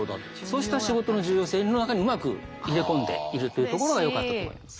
そうした仕事の重要性の中にうまく入れ込んでいるというところがよかったと思います。